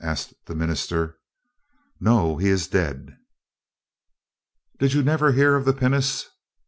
asked the minister. "No; he is dead." "Did you never hear of the pinnace?"